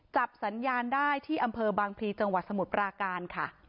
จับสัญญาณได้ที่อำเภอบางพลีจังหวัดสมุทรปราการค่ะ